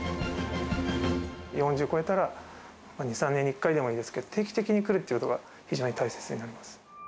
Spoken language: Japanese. ４０超えたら、２、３年に１回でもいいですけど、定期的に来るってことが非常に大切になります。